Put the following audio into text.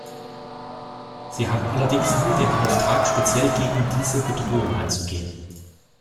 Sie haben allerdings nur den Auftrag, speziell gegen diese Bedrohung anzugehen.